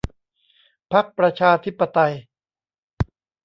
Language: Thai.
พรรคประชาธิปไตย